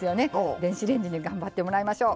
電子レンジに頑張ってもらいましょう。